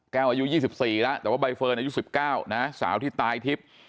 อายุ๒๔แล้วแต่ว่าใบเฟิร์นอายุ๑๙นะสาวที่ตายทิพย์